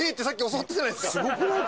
すごくない？